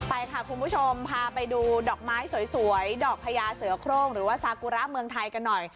ไปค่ะคุณผู้ชมพาไปดูดอกไม้สวยดอกพญาเสือโครงหรือว่าซากุระเมืองไทยกันหน่อย